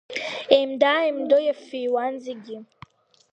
Инеимда-ааимдо иаффыҩуан зегьы.